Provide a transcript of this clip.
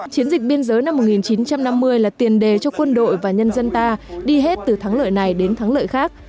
chiến dịch biên giới năm một nghìn chín trăm năm mươi là tiền đề cho quân đội và nhân dân ta đi hết từ thắng lợi này đến thắng lợi khác